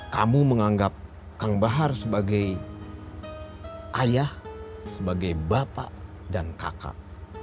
kamu menganggap kang bahar sebagai ayah sebagai bapak dan kakak